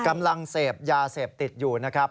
กำลังเสพยาเสพติดอยู่นะครับ